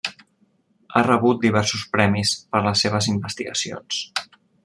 Ha rebut diversos premis per les seves investigacions.